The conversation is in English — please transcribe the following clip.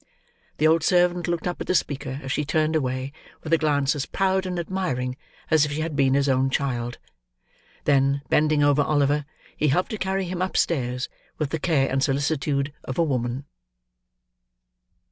The old servant looked up at the speaker, as she turned away, with a glance as proud and admiring as if she had been his own child. Then, bending over Oliver, he helped to carry him upstairs, with the care and solicitude of a woman.